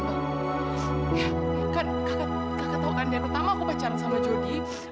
ya kan kakak tahu kan yang utama aku pacaran sama jodi